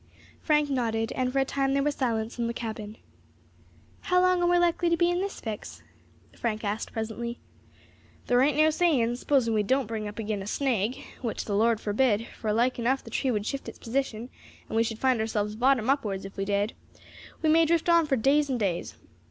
Frank nodded, and for a time there was silence in the cabin. "How long are we likely to be in this fix?" Frank asked presently. "Thar ain't no saying; supposing we don't bring up agin a snag which the Lord forbid, for like, enough, the tree would shift its position, and we should find ourselves bottom upwards if we did we may drift on for days and days.